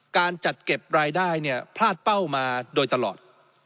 การจัดเก็บรายได้เนี่ยพลาดเป้ามาโดยตลอด